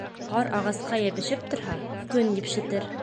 Ҡар ағасҡа йәбешеп торһа, көн епшетер.